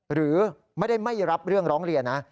หรือไม่ได้ไม่รับเรื่องร้องเรียนนะ